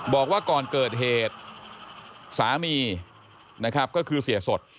บอกว่าก่อนเกิดเหตุสามีนะครับก็คือเสียสด